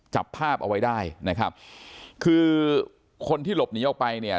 จับภาพเอาไว้ได้นะครับคือคนที่หลบหนีออกไปเนี่ย